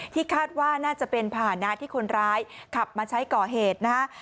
คาดว่าน่าจะเป็นภาษณะที่คนร้ายขับมาใช้ก่อเหตุนะฮะ